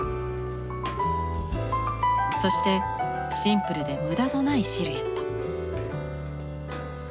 そしてシンプルで無駄のないシルエット。